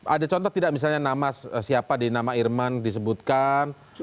ada contoh tidak misalnya nama siapa di nama irman disebutkan